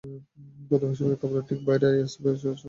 গত বৃহস্পতিবার কাবুলের ঠিক বাইরে আইএসআইএসের অস্ত্র ভান্ডারে।